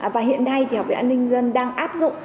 và hiện nay thì học viện an ninh nhân dân đang áp dụng